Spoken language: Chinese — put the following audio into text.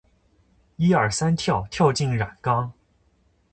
一二三跳！跳进染缸！